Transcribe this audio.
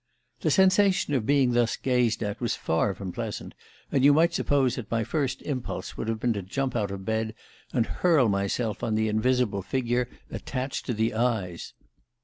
"The sensation of being thus gazed at was far from pleasant, and you might suppose that my first impulse would have been to jump out of bed and hurl myself on the invisible figure attached to the eyes.